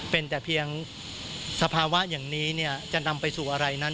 เป็นแต่เพียงสภาวะอย่างนี้จะนำไปสู่อะไรนั้น